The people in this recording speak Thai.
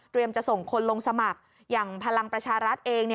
จะส่งคนลงสมัครอย่างพลังประชารัฐเอง